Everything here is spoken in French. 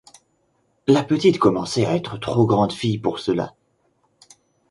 La petite commençait à être trop grande fille pour cela.